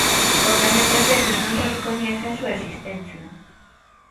Porque moitas veces non se recoñece a súa existencia.